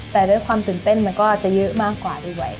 แต่ด้วยความตื่นเต้นมันก็จะเยอะมากกว่าด้วย